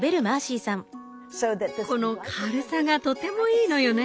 この軽さがとてもいいのよね。